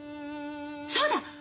そうだ！